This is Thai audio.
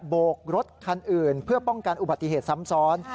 โบกรถคันอื่นเพื่อป้องกันอุบัติเหตุซ้ำซ้อน